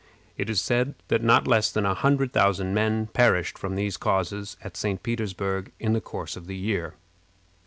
It is said that not less than a hundred thousand men perished from these causes at St. Petersburg in the course of the year.